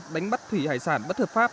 đánh bắt thủy hải sản bất hợp pháp